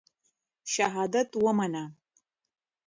شهادت ومنه.